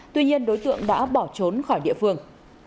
tuy nhiên đối tượng đã bỏ trốn khỏi địa phương